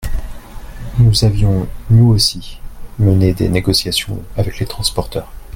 Nous avions nous aussi mené des négociations avec les transporteurs.